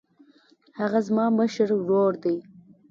هغه زما مشر ورور دی